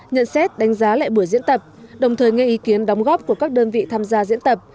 nhận xét đánh giá lại buổi diễn tập đồng thời nghe ý kiến đóng góp của các đơn vị tham gia diễn tập